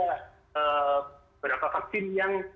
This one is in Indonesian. beberapa vaksin yang